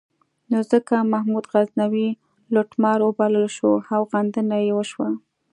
نو ځکه محمود غزنوي لوټمار وبلل شو او غندنه یې وشوه.